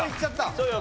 そうよ。